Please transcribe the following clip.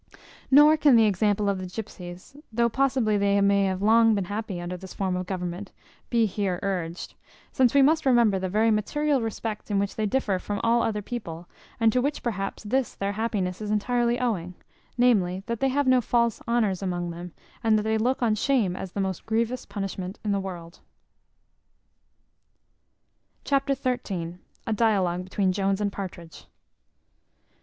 Nor can the example of the gypsies, though possibly they may have long been happy under this form of government, be here urged; since we must remember the very material respect in which they differ from all other people, and to which perhaps this their happiness is entirely owing, namely, that they have no false honours among them, and that they look on shame as the most grievous punishment in the world. Chapter xiii. A dialogue between Jones and Partridge.